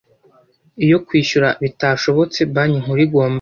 iyo kwishyura bitashobotse banki nkuru igomba